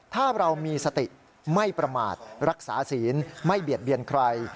ถ้าเรามีสติไม่ประมาทรักษาศีลไม่เบียดเบียนใคร